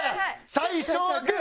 最初はグー！